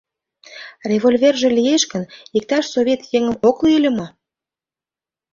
Револьверже лиеш гын, иктаж совет еҥым ок лӱй ыле мо?